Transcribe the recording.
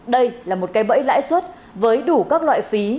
đây là một cây bẫy lãi suất với đủ các loại phí